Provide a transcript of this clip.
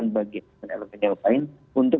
bagi penelopan penelopan untuk